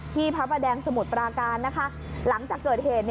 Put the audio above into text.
พระประแดงสมุทรปราการนะคะหลังจากเกิดเหตุ